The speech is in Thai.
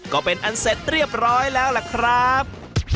ก็เป็นอันเสร็จเรียบร้อยแล้วล่ะครับ